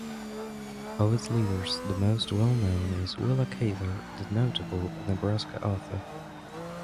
Of its leaders the most well known is Willa Cather the notable Nebraska author.